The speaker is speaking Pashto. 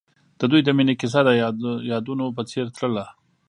د دوی د مینې کیسه د یادونه په څېر تلله.